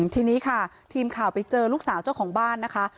ทีนี้ค่ะทีมข่าวไปเจอลูกสาวเจ้าของบ้านนะคะ